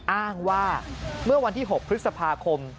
อ้างว่าเมื่อวันที่๖พฤษภาคม